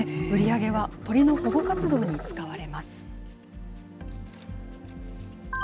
売り上げは鳥の保護活動に使われます。